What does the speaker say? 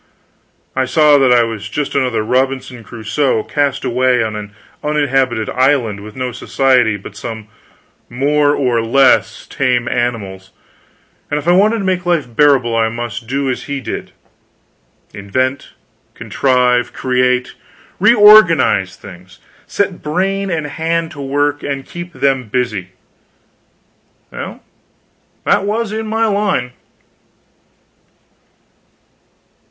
I saw that I was just another Robinson Crusoe cast away on an uninhabited island, with no society but some more or less tame animals, and if I wanted to make life bearable I must do as he did invent, contrive, create, reorganize things; set brain and hand to work, and keep them busy. Well, that was in my line.